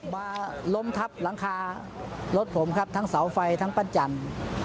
มาล้มทับหลังคารถผมครับทั้งเสาไฟทั้งปั้นจันทร์